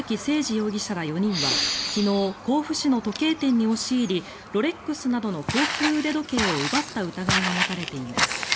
容疑者ら４人は昨日甲府市の時計店に押し入りロレックスなどの高級腕時計を奪った疑いが持たれています。